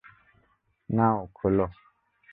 নাও, খোলো।